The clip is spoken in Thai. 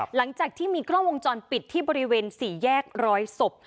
หลังจากที่มีกล้องวงจรปิดที่บริเวณ๔แยกร้อยศพ